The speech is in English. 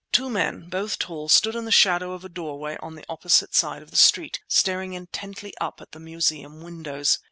Two men, both tall, stood in the shadow of a doorway on the Opposite side of the street, staring intently up at the Museum windows.